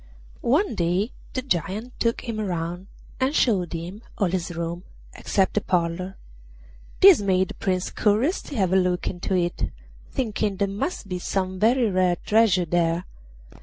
One day the Giant took him round and showed him all his rooms except the parlour; this made the Prince curious to have a look into it, thinking there must be some very rare treasure there.